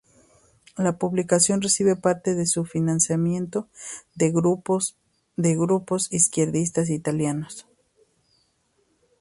La publicación recibe parte de su financiamiento de grupos de grupos izquierdistas italianos.